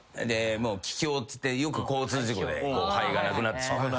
っつってよく交通事故で肺がなくなってしまう。